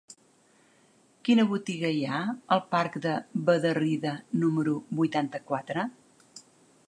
Quina botiga hi ha al parc de Bederrida número vuitanta-quatre?